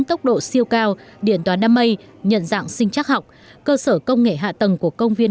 tốc độ siêu cao điện toán đám mây nhận dạng sinh chắc học cơ sở công nghệ hạ tầng của công viên